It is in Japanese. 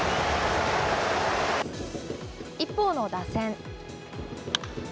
一方の打線。